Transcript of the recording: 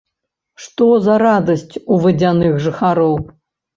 Што за радасць у вадзяных жыхароў?